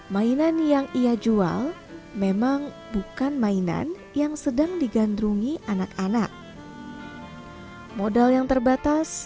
mainan yang ia jual memang bukan mainan yang sedang digandrungi anak anak modal yang terbatas